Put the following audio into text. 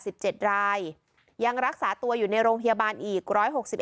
สิบเจ็ดรายยังรักษาตัวอยู่ในโรงพยาบาลอีกร้อยหกสิบเอ็